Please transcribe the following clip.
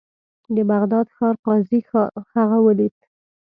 د بغداد ښار قاضي هغه ولید.